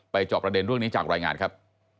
จอบประเด็นเรื่องนี้จากรายงานครับ